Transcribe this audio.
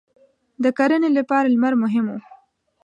• د کرنې لپاره لمر مهم و.